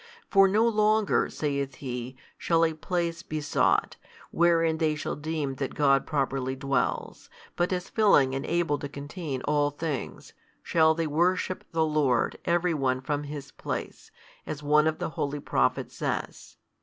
For no longer (saith He) shall a place be sought, wherein they shall deem that God properly dwells, but as filling and able to contain all things, shall they worship the Lord every one from his place, as one of the holy Prophets says.